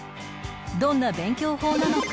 どんな勉強法なのか